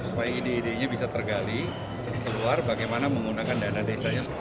supaya ide idenya bisa tergali keluar bagaimana menggunakan dana desanya